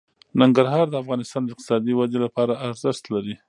ننګرهار د افغانستان د اقتصادي ودې لپاره ارزښت لري.